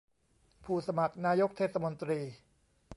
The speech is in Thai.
ผู้สมัครนายกเทศมนตรี